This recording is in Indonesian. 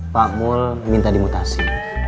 pak mul minta dimutasi